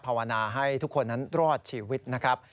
ภาวนาให้ทุกคนนั้นรอดชีวิตนะครับ